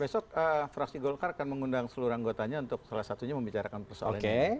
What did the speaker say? besok fraksi golkar akan mengundang seluruh anggotanya untuk salah satunya membicarakan persoalan ini